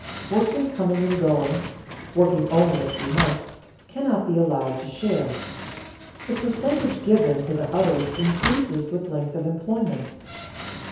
Workmen coming and going, working only a few months, cannot be allowed to share; the percentage given to the others increases with length of employment.